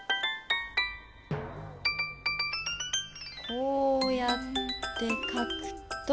こうやってかくと。